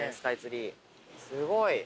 すごい。